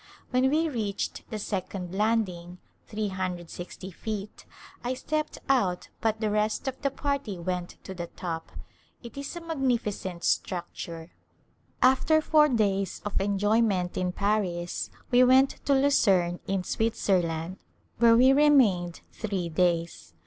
When we reached the second landing, 360 feet, I stepped out but the rest of the party went to the top. It is a magnif icent structure. After four days of enjoyment in Paris we went to Lucerne, in Switzerland, where we remained three days.